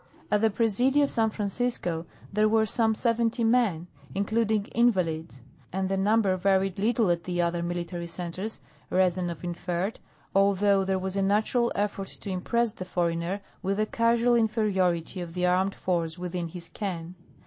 At the Presidio of San Francisco there were some seventy men, including invalids; and the number varied little at the other military centres, Rezanov inferred, although there was a natural effort to impress the foreigner with the casual inferiority of the armed force within his ken.